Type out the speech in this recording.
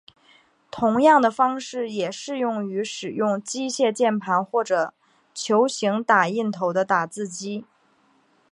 同样的方式也适用于使用机械键盘或者球形打印头的打字机。